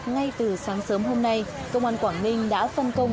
ngay từ sáng sớm hôm nay công an quảng ninh đã phân công